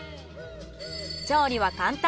調理は簡単。